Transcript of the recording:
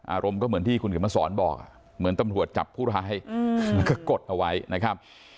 อารมณ์ก็เหมือนที่คุณเขียนมาสอนบอกเหมือนตำรวจจับผู้ร้ายแล้วก็กดเอาไว้นะครับ